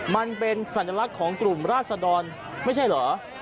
มันเป็นสัญลักษณ์ของกลุ่มราศดรไม่ใช่เหรอ